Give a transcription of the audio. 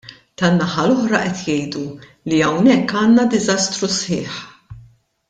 Tan-naħa l-oħra qed jgħidu li hawnhekk għandna diżastru sħiħ.